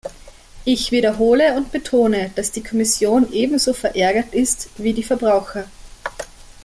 Ich wiederhole und betone, dass die Kommission ebenso verärgert ist wie die Verbraucher.